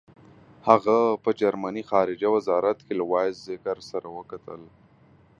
هغه په جرمني خارجه وزارت کې له وایزیکر سره وکتل.